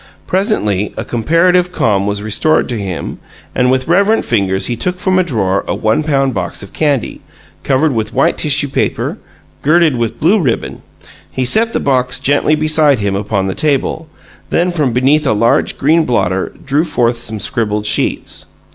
Presently a comparative calm was restored to him, and with reverent fingers he took from a drawer a one pound box of candy, covered with white tissue paper, girdled with blue ribbon. He set the box gently beside him upon the table; then from beneath a large, green blotter drew forth some scribbled sheets.